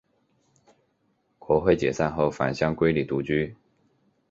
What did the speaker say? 国会解散后返乡归里独居。